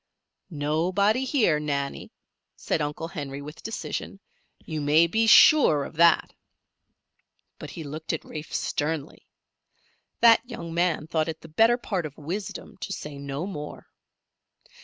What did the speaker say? "Nobody here, Nannie," said Uncle Henry, with decision. "You may be sure of that." But he looked at Rafe sternly. That young man thought it the better part of wisdom to say no more.